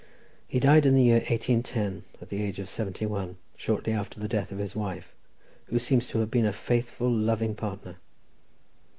He died in the year 1810, at the age of 71, shortly after the death of his wife, who seems to have been a faithful, loving partner.